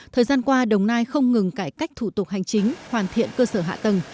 thời gian qua đồng nai không ngừng cải cách thủ tục hành chính hoàn thiện cơ sở hạ tầng